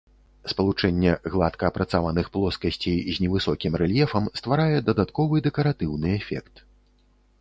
Спалучэнне гладка апрацаваных плоскасцей з невысокім рэльефам стварае дадатковы дэкаратыўны эфект.